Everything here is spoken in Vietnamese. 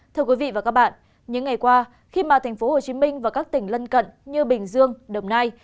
thưa quý vị và các bạn những ngày qua khi mà thành phố hồ chí minh và các tỉnh lân cận như bình dương đồng nai